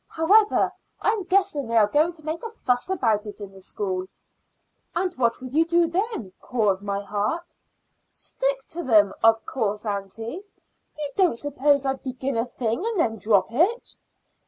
"However, I'm guessing they are going to make a fuss about it in the school." "And what will you do then, core of my heart?" "Stick to them, of course, aunty. You don't suppose I'd begin a thing and then drop it?"